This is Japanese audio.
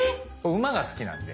⁉馬が好きなんで。